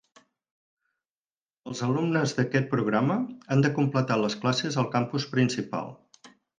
Els alumnes d'aquest programa han de completar les classes al campus principal.